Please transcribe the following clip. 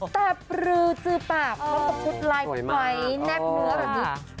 แต่ปลือจือปากก็ตกพุดลายไขว้แนบเนื้อแบบนี้